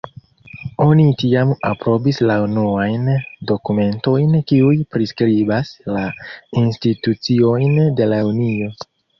Oni tiam aprobis la unuajn dokumentojn kiuj priskribas la instituciojn de la Unio.